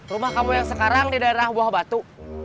rumah kamu yang sekarang di daerah bawah batu